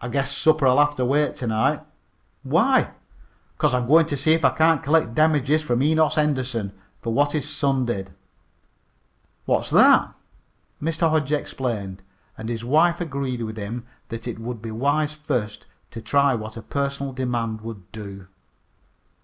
"I guess supper'll have to wait to night." "Why?" "'Cause I'm goin' to see if I can't collect damages from Enos Henderson fer what his son done." "What's that?" Mr. Hodge explained, and his wife agreed with him that it would be wise first to try what a personal demand would do.